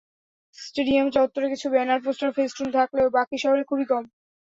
Stadium চত্বরে কিছু banner, poster, festoon থাকলেও বাকি শহরে খুবই কম।